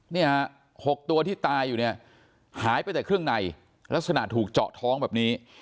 เนี่ย๖ตัวที่ตายอยู่เนี่ยหายไปแต่เครื่องในลักษณะถูกเจาะท้องแบบนี้